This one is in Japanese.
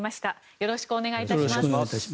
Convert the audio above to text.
よろしくお願いします。